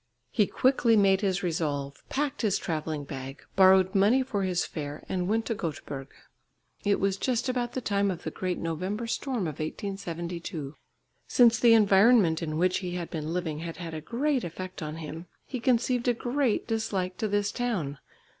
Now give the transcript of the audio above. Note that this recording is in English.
He quickly made his resolve, packed his travelling bag, borrowed money for his fare, and went to Göteborg. It was just about the time of the great November storm of 1872. Since the environment in which he had been living had had a great effect on him, he conceived a great dislike to this town.